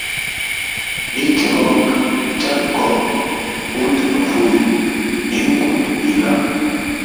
Niki honga, chala koho, utu novuya nimukuta mbila.